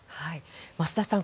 増田さん